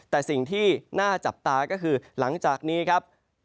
แต่สิ่งที่น่าจับตาก็คือหลังจากนี้ครับ